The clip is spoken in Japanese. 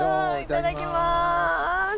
いただきます。